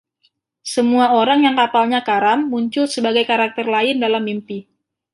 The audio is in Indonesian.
Semua orang yang kapalnya karam muncul sebagai karakter lain dalam mimpi.